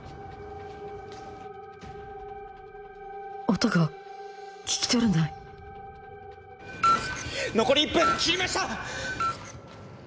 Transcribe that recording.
音が聞き取れない残り１分切りました！